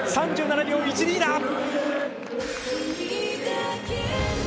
３７秒１２だ！